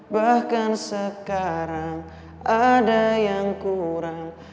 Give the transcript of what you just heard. bahkan sekarang ada yang kurang